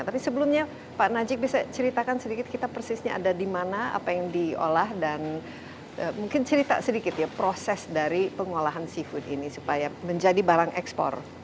tapi sebelumnya pak najib bisa ceritakan sedikit kita persisnya ada di mana apa yang diolah dan mungkin cerita sedikit ya proses dari pengolahan seafood ini supaya menjadi barang ekspor